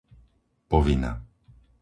Povina